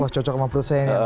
wah cocok sama perut saya ya